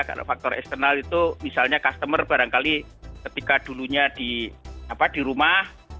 karena faktor eksternal itu misalnya customer barangkali ketika dulunya di rumah